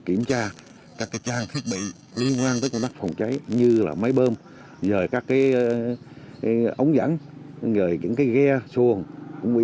hiện các đơn vị tham gia bảo vệ rừng